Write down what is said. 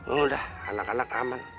udah anak anak aman